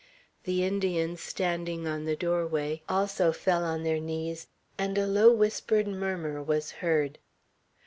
The Indians, standing on the doorway, also fell on their knees, and a low whispered murmur was heard.